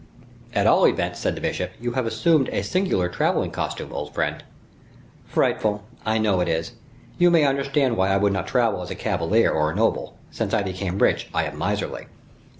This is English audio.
"At all events," said the bishop, "you have assumed a singular traveling costume, old friend." "Frightful! I know it is. You may understand why I would not travel as a cavalier or a noble; since I became rich, I am miserly."